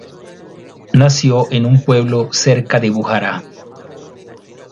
Nació en un pueblo cerca de Bujará.